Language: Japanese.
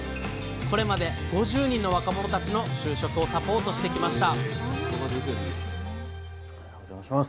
これまで５０人の若者たちの就職をサポートしてきましたおじゃまします。